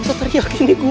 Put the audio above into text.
masa teriak ini gue